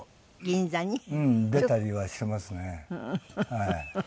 はい。